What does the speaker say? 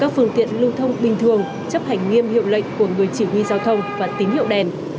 các phương tiện lưu thông bình thường chấp hành nghiêm hiệu lệnh của người chỉ huy giao thông và tín hiệu đèn